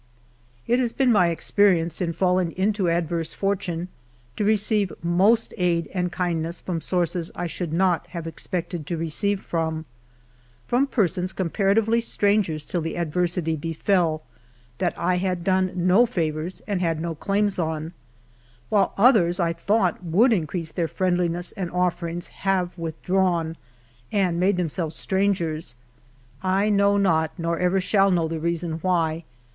It has been my experience in falling into adverse fortune to receive most aid and kindness from sources I should not have expected to receive from : from persons comparatively strangers till the adversity befell, that I had done no favors and had no claims on ; while others I thought would increase their friendliness and oiFerings have withdrawn and made themselves strangers; I know not, nor ever shall know the reason why.